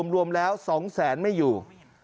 รวมแล้ว๒แสนไม่อยู่